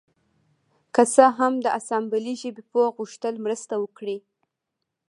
که څه هم د اسامبلۍ ژبې پوه غوښتل مرسته وکړي